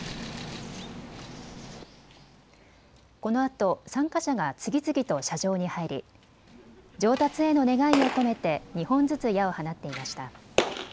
このあと参加者が次々と射場に入り上達への願いを込めて２本ずつ矢を放っていました。